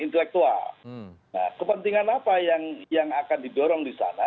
nah kepentingan apa yang akan didorong disana